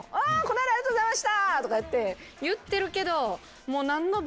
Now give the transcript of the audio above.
「この間ありがとうございました」とか言ってるけど。